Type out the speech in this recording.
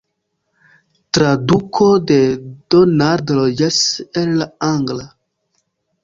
Traduko de Donald Rogers el la angla.